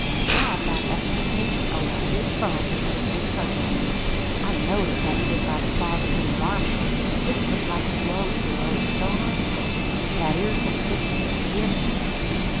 Now I've got a explication o' thet big bump as hez been puzzlin' me. I know'd it wan't did by the claws o' any varmint; an it didn't look like the blow eyther o' a stone or a stick. Thet ere's the stick that hez gi'n it."